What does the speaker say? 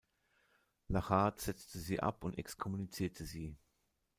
Lachat setzte sie ab und exkommunizierte sie.